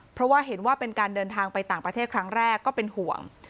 เพราะว่าเห็นว่าเป็นการเดินทางไปต่างประเทศครั้งแรกก็เป็นห่วง